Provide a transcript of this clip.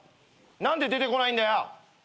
何で出てこないんだよ。